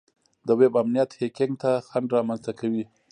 د ویب امنیت هیکینګ ته خنډ رامنځته کوي.